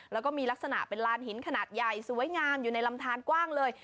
แล้วก็มีลักษณะเป็นลานหินขนาดใหญ่สวยงามอยู่ในลำทานกว้างเลย